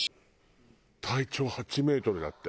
体長８メートルだって。